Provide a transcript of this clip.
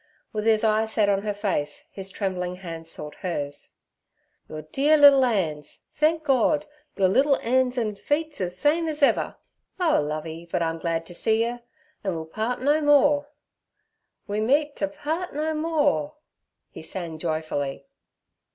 With his eye set on her face, his trembling hands sought hers. 'Your dear liddle 'ands. Thenk Gord, your liddle 'an's an' feet's same az ever. Oh, Lovey, but I'm glad t' see you; an' we'll part no more. "We meet t' paart no mo ur,"' he sang joyfully.